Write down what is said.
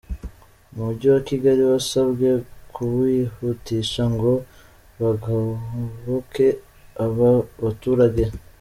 Umujyi wa Kigali wasabwe kuwihutisha ngo bagoboke aba baturage.